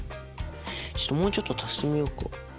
もうちょっと足してみようか。